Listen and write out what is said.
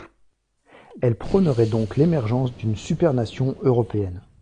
Elle prônerait donc l'émergence d'une supernation européenne.